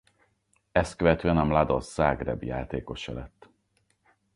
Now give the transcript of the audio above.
Ezt követően a Mladost Zagreb játékosa lett.